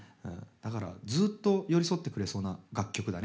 だからずっと寄り添ってくれそうな楽曲だね。